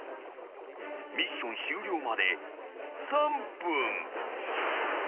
［ミッション終了まで３分］